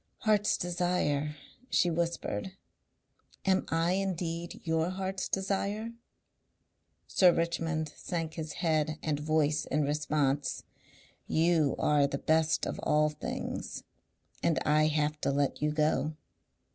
"Heart's desire," she whispered. "Am I indeed your heart's desire?" Sir Richmond sank his head and voice in response. "You are the best of all things. And I have to let you go."